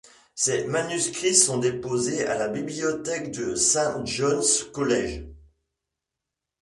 Ses manuscrits sont déposés à la bibliothèque du St.John's College.